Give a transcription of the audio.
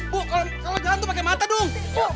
bu kalau jalan tuh pakai mata dong